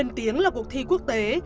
nổi tiếng là cuộc thi quốc tế